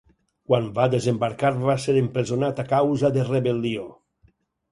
Quan va desembarcar va ser empresonat a causa de rebel·lió.